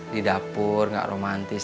di dapur gak romantis